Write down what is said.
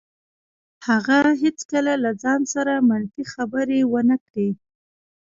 هغه هېڅکله له ځان سره منفي خبرې ونه کړې.